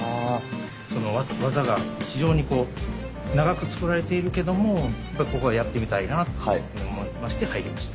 その技が非常にこう長く作られているけどもここでやってみたいなと思いまして入りました。